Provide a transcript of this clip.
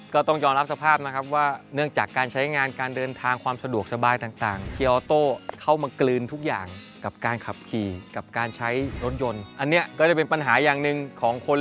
เข้าเกียร์เหยียบคันเร่ง